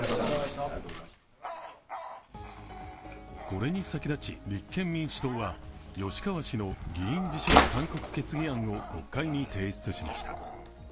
これに先立ち、立憲民主党は吉川市の議員辞職勧告決議案を国会に提出しました。